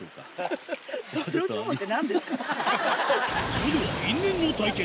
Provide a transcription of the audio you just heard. それでは因縁の対決